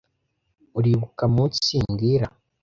Uribuka munsi mbwira